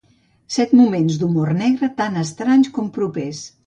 Set moments d’humor negre tan estranys com propers.